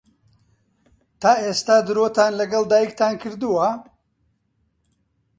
تا ئێستا درۆتان لەگەڵ دایکتان کردووە؟